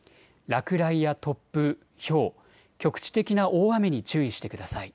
落雷や突風、ひょう、局地的な大雨に注意してください。